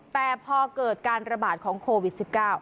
แต่พอเกิดการระบาดของโควิด๑๙